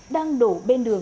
đang đổ bên đường